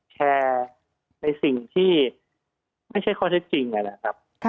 แชร์ในสิ่งที่ไม่ใช่ข้อเท็จจริงนะครับ